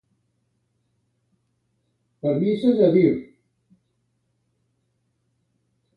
Per misses a dir.